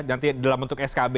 nanti dalam bentuk skb